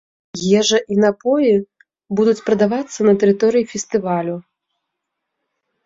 Ежа і напоі будуць прадавацца на тэрыторыі фестывалю.